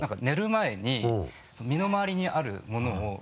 寝る前に身の回りにあるものを。